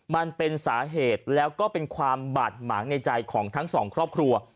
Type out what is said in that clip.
มันเป็นสาเหตุแล้วก็เป็นความบาดหมางในใจของทั้งสองครอบครัว